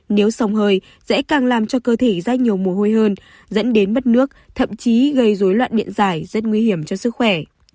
nếu sông hơi dễ càng làm cho cơ thể ra nhiều mùi hôi hơn dẫn đến mất nước thậm chí gây dối loạn điện dài rất nguy hiểm cho sức khỏe